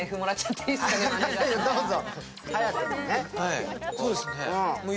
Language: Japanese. どうぞ。